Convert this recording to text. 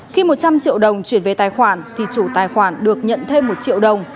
khi một trăm linh triệu đồng chuyển về tài khoản thì chủ tài khoản được nhận thêm một triệu đồng